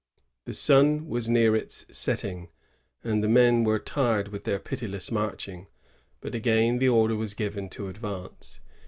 The sun was near its setting, and the men were tired with their pitiless marching; but again the order was given to advance.